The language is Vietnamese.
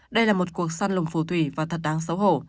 đây là một cuộc săn lùng phù thủy và thật đáng xấu hổ